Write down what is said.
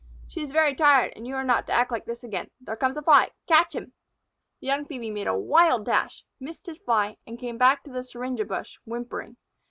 She is very tired, and you are not to act like this again. There comes a Fly. Catch him!" The young Phœbe made a wild dash, missed his Fly, and came back to the syringa bush whimpering.